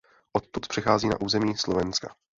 Odtud přechází na území Slovenska.